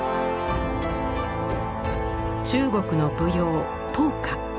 中国の舞踊「踏歌」。